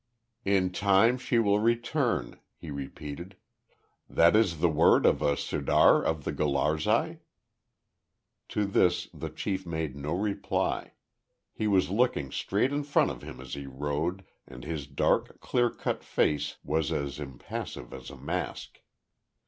"In time she will return," he repeated. "That is the word of a Sirdar of the Gularzai?" To this the chief made no reply. He was looking straight in front of him as he rode, and his dark, clear cut face was as impassive as a mask.